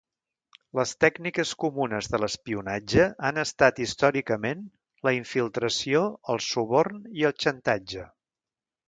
Les tècniques comunes de l'espionatge han estat històricament la infiltració, el suborn i el xantatge.